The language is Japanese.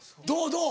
どう？